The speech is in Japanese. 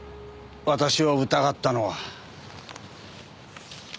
私を疑ったのは。